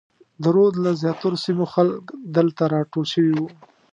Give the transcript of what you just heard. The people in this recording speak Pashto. د رود له زیاترو سیمو خلک دلته راټول شوي وو.